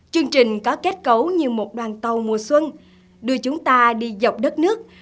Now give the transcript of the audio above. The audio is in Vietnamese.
chương trình có kết cấu như một đoàn tàu mùa xuân đưa chúng ta đi dọc đất nước